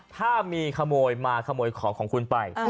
ถ้ามีขโมยมาขโมยของของคุณไป